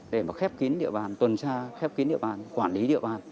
để mà khép kín địa bàn tuần tra khép kín địa bàn quản lý địa bàn